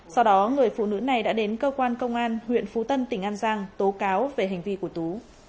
sau đó người phụ nữ này đã đến cơ quan công an huyện phú tân tỉnh an giang tố cáo về hành vi của tú